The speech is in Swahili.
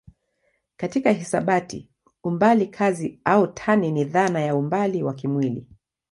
Katika hisabati umbali kazi au tani ni dhana ya umbali wa kimwili.